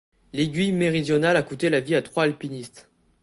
L'aiguille Méridionale a coûté la vie à trois alpinistes.